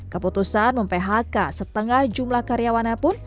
keputusan memphk setengah jumlah karyawannya pun